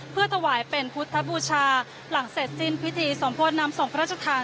เพื่อถวายเป็นพุทธบูชาหลังเสร็จสิ้นพิธีสมโพธินำส่งพระราชทาน